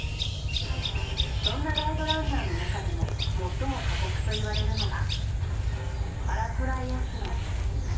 そんなガイドランナーの中でも最も過酷といわれるのがパラトライアスロン。